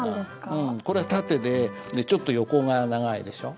うんこれは縦でちょっと横が長いでしょ。